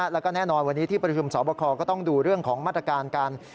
แล้วก็แน่นอนวันนี้ที่ประชุมสอบคอก็ต้องดูเรื่องของมาตรการการ